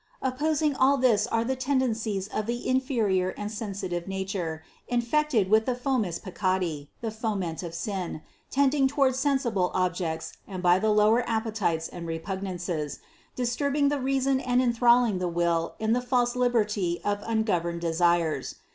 Opposing all this are the tendencies of the inferior and sensitive nature, infected with the fomes peccati, the foment of sin, tending toward sensible objects and by the lower appetites and repugnances, dis turbing the reason and enthralling the will in the false liberty of ungoverned desires.